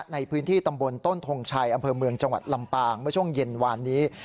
ในพื้นที่ตำบลต้นทงชัยอำเภอเมืองจังหวัดลำปางเมื่อช่วงเย็นวานนี้